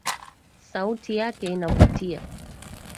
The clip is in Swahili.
Sauti yake inavutia